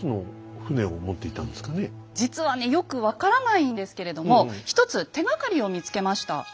実はねよく分からないんですけれども一つ手がかりを見つけました。